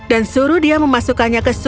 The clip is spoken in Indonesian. dan suruh dia memasukkannya ke suku